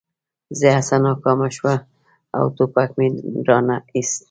زما هڅه ناکامه شوه او ټوپک مې را نه ایست